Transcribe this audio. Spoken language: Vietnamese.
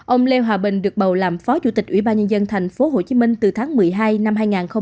ông lê hòa bình được bầu làm phó chủ tịch ủy ban nhân dân thành phố hồ chí minh từ tháng một mươi hai năm hai nghìn hai mươi